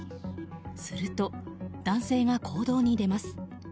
すると男性が行動に出ます。